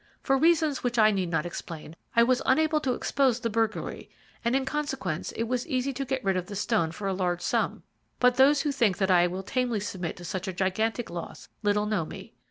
For reasons which I need not explain, I was unable to expose the burglary, and in consequence it was easy to get rid of the stone for a large sum but those who think that I will tamely submit to such a gigantic loss little know me.